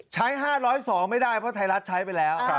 ใช้๕๐๒ไม่ได้เพราะไทยรัฐใช้ไปแล้ว